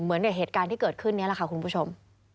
เหมือนเหตุการณ์ที่เกิดขึ้นนี้แหละค่ะคุณผู้ชม